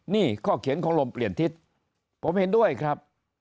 นี่ข้อเขียนของลมเปลี่ยนทิศผมเห็นด้วยครับ